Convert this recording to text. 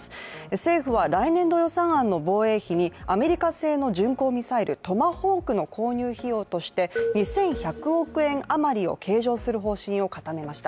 政府は来年度防衛費にアメリカ産のトマホーク購入費用として２１００億円余りを計上する方針を固めました。